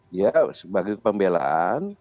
dia sebagai pembelaan